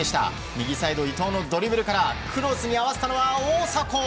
右サイド、伊東のドリブルからクロスに合わせたのは大迫！